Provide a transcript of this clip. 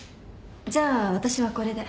じゃあ私はこれで。